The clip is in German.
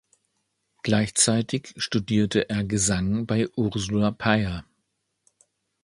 Gleichzeitig studierte er Gesang bei Ursula Peyer.